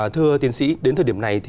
thưa tiến sĩ đến thời điểm này